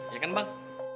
ya kan bang